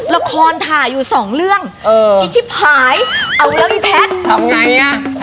ละครถ่ายอยู่สองเรื่องอีชิพายเอาแล้วพี่แพทย์ทำไงอ่ะ